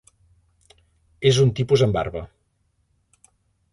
És un tipus amb barba.